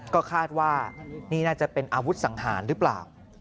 ก็คาดว่านี่น่าจะเป็นอาวุธสังหารหรือเปล่า